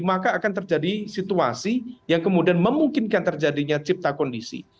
maka akan terjadi situasi yang kemudian memungkinkan terjadinya cipta kondisi